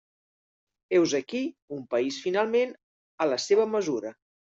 Heus aquí un país finalment a la seva mesura.